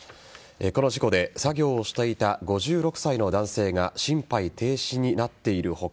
この事故で作業をしていた５６歳の男性が心肺停止になっている他